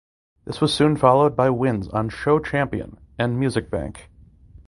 This was soon followed by wins on "Show Champion" and "Music Bank".